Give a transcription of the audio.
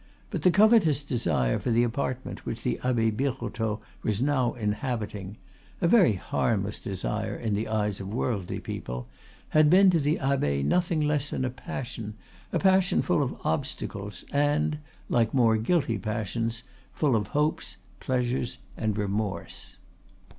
But the covetous desire for the apartment which the Abbe Birotteau was now inhabiting (a very harmless desire in the eyes of worldly people) had been to the abbe nothing less than a passion, a passion full of obstacles, and, like more guilty passions, full of hopes, pleasures, and remorse.